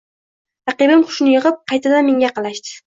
Raqibim hushini yig‘ib, qaytadan menga yaqinlashdi